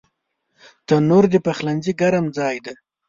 تنور د پخلنځي ګرم ځای دی